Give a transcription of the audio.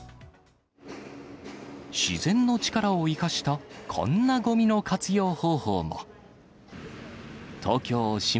自然の力を生かしたこんなごみの活用方法も。